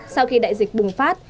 sau khi đại dịch bùng cắt